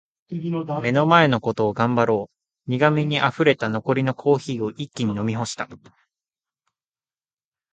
「目の前のことを頑張ろう」苦めに淹れた残りのコーヒーを一気に飲み干した。